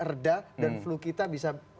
reda dan flu kita bisa